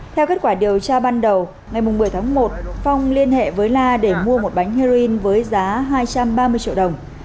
theo kết quả điều tra ban đầu ngày một mươi tháng một phong liên hệ với la để mua một bánh heroin với giá hai trăm ba mươi triệu đồng